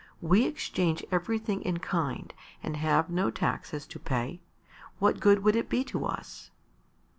"We exchange everything in kind and have no taxes to pay; what good would it be to us?"